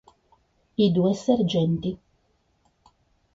I due sergenti